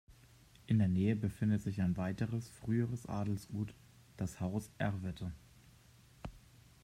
In der Nähe befindet sich ein weiteres früheres Adelsgut, das Haus Erwitte.